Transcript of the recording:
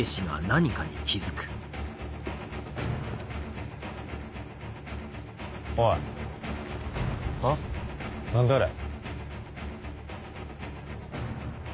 何だあれ。